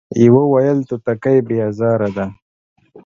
يوه ويل توتکۍ بې ازاره ده ،